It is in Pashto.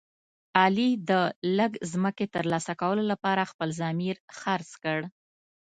علي د لږ ځمکې تر لاسه کولو لپاره خپل ضمیر خرڅ کړ.